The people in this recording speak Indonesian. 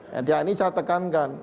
yang ini saya tekankan